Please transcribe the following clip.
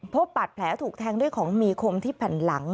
พบบาดแผลถูกแทงด้วยของมีคมที่แผ่นหลัง